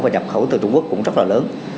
và nhập khẩu từ trung quốc cũng rất là lớn